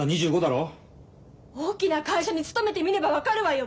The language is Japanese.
大きな会社に勤めてみれば分かるわよ。